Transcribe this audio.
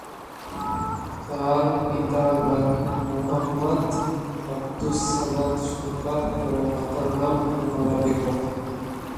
তার পিতার নাম মো: আব্দুস সামাদ সরকার ও মাতার নাম আনোয়ারা বেগম।